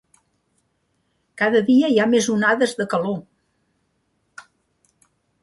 Cada dia hi ha més onades de calor.